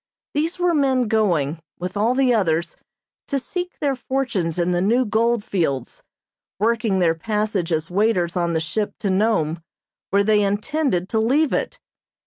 These were men going, with all the others, to seek their fortunes in the new gold fields, working their passage as waiters on the ship to Nome, where they intended to leave it.